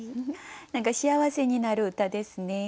何か幸せになる歌ですね。